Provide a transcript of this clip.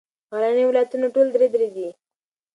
غرني ولایتونه ټول درې درې دي.